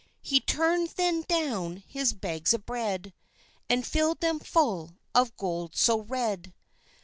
He turned then downe his bags of bread And filled them full of gold so red.